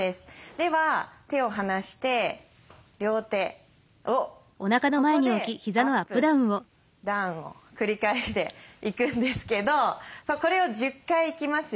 では手を離して両手をここでアップダウンを繰り返していくんですけどこれを１０回いきますよ。